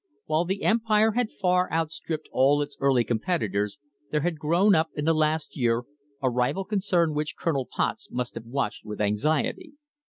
While the Empire STRENGTHENING THE FOUNDATIONS had far outstripped all its early competitors, there had grown up in the last year a rival concern which Colonel Potts must have watched with anxiety.